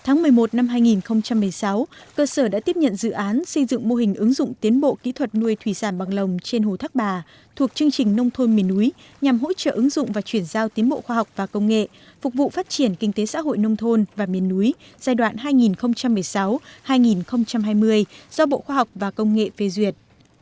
năm hai nghìn một mươi sáu cơ sở đã tiếp nhận dự án xây dựng mô hình ứng dụng tiến bộ kỹ thuật nuôi thủy sản bằng lồng trên hồ thác bà thuộc chương trình nông thôn miền núi nhằm hỗ trợ ứng dụng và chuyển giao tiến bộ khoa học và công nghệ phục vụ phát triển kinh tế xã hội nông thôn và miền núi giai đoạn hai nghìn một mươi sáu hai nghìn hai mươi do bộ khoa học và công nghệ phê duyệt